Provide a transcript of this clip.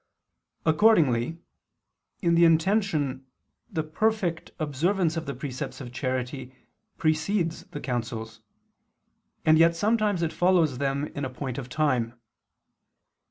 Accordingly in the intention the perfect observance of the precepts of charity precedes the counsels, and yet sometimes it follows them in point of time.